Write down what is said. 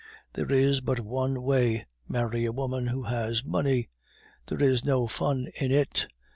There is but one way, marry a woman who has money. There is no fun in it.